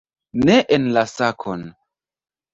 Ne en la sakon!